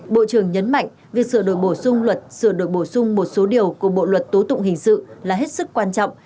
bộ trưởng nhấn mạnh việc sửa đổi bổ sung luật sửa đổi bổ sung một số điều của bộ luật tố tụng hình sự là hết sức quan trọng